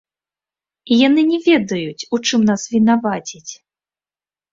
І яны не ведаюць, у чым нас вінаваціць.